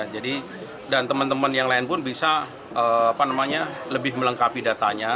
jadi dan teman teman yang lain pun bisa apa namanya lebih melengkapi datanya